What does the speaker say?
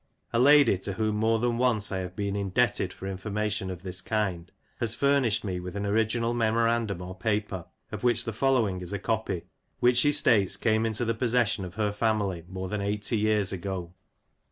A lady, to whom more than once I have been indebted for information of this kind^ Rough Lee. 135 has furnished me with an original memorandum or paper — of which the following is a copy — which she states came into the possession of her family more than eighty years ago.